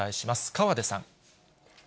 河出さん。